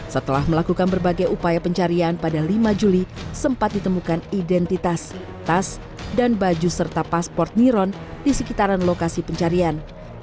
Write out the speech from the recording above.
setelah melakukan berbagai upaya pencarian pada lima juli sempat ditemukan identitas tas dan baju serta pasport niron di sekitaran lokasi pencarian